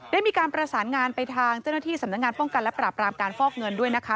ได้มีการประสานงานไปทางเจ้าหน้าที่สำนักงานป้องกันและปราบรามการฟอกเงินด้วยนะคะ